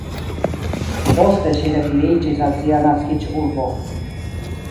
Poste ŝi retiriĝis al sia naskiĝurbo.